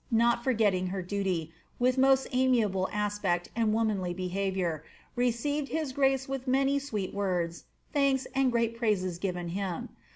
not forgetting her duty, with most amiable aspect and womanly be» haviour, received hia grace with many sweet words, thanks, and great praises given him.